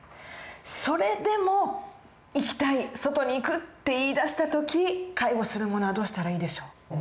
それでも「行きたい外に行く」って言いだした時介護する者はどうしたらいいでしょう？